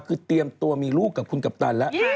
คือเตรียมตัวมีลูกกับคุณกัปตันแล้ว